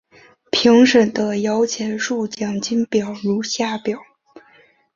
评审的摇钱树奖金表如下表。